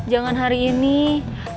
lagi sibuk ngurusin acara seminar